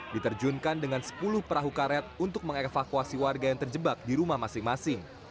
diterjunkan dengan sepuluh perahu karet untuk mengevakuasi warga yang terjebak di rumah masing masing